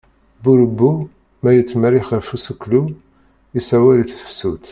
Burebbu la yettmerriiḥ ɣef useklu, issawal i tefsut.